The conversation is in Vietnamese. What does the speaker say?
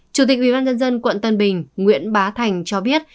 chủ tịch ubnd quận tân bình nguyễn bá thành cho biết